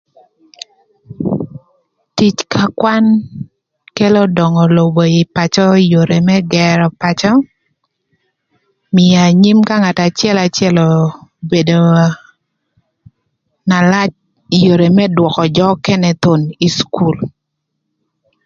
Tic ka kwan kelo döngö lobo ï pacö, ï yore më gërö pacö, mïö anyim ka ngat acëlacël bedo na lac ï yore më dwökö jö nökënë thon ï cukul.